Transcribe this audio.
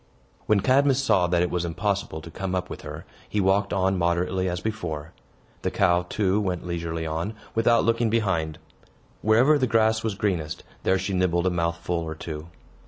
When Cadmus saw that it was impossible to come up with her, he walked on moderately, as before. The cow, too, went leisurely on, without looking behind. Wherever the grass was greenest, there she nibbled a mouthful or two.